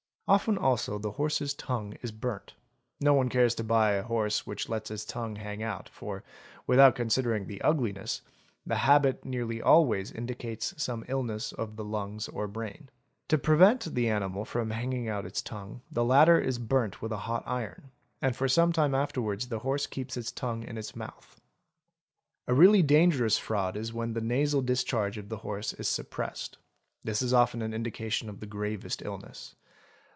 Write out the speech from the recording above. Often also the horse's tongue is burnt; no one cares to buy a horse which lets its tongue hang out, for, without considering the ugliness, the habit nearly always indicates some illness of the lungs or brain. To pre _yent the animal hanging out its tongue, the latter is burnt with a hot iron, and for some time afterwards the horse keeps its tongue in its mouth. A really dangerous fraud is when the nasal discharge of the horse is suppressed ; this is often an indication of the gravest illness.